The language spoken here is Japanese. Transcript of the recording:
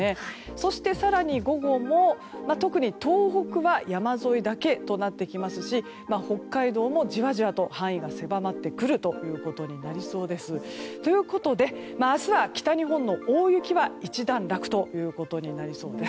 そして更に、午後も特に東北は山沿いだけとなりますし北海道もじわじわと範囲が狭まってくるということになりそうです。ということで、明日は北日本の大雪は一段落となりそうです。